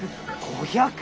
５００！？